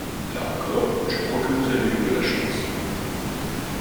Là encore, je crois que vous avez eu de la chance.